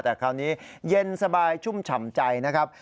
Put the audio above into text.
แต่คราวนี้เย็นสบายชุ่มฉ่ำใจนะครับ